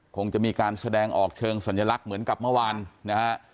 คงจะมีการแสดงออกเชิงสัญลักษณ์เหมือนกับเมื่อวานนะฮะ